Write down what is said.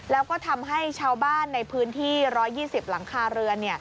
แล้วก็ทำให้ชาวบ้านในพื้นที่๑๒๐หลังคาเรือน